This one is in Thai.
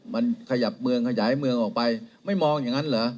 มันขยับเมืองขยายเมืองออกไปไม่มองอย่างนั้นเหรอ